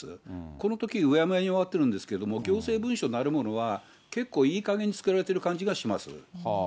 このとき、うやむやに終わってるんですけど、行政文書なるものは、結構いいかげんに作られてる感じがします。